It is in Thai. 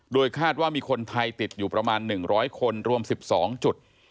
โดยคาดว่ามีคนไทยติดอยู่ประมาณ๑๐๐คนรวม๑๒จุด